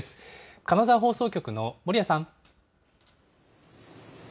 金沢放送局の守屋さん。